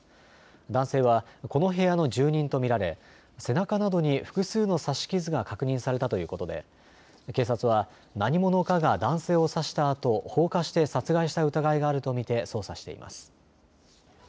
男性はこの部屋の住人と見られ背中などに複数の刺し傷が確認されたということで警察は何者かが男性を刺したあと放火して殺害した疑いがあると見て捜査しています。